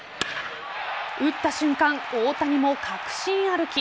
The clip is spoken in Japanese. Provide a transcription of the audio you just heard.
打った瞬間、大谷も確信歩き。